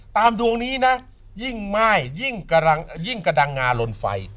ดวงนี้นะยิ่งม่ายยิ่งกระดังงาลนไฟ